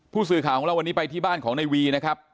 ผู้สื่อข่าวของเราวันนี้ไปที่บ้านของในวีนะครับ